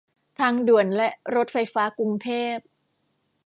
ทางด่วนและรถไฟฟ้ากรุงเทพ